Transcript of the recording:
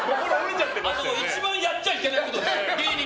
一番やっちゃいけないことです。